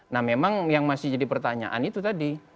nah memang yang masih jadi pertanyaan itu tadi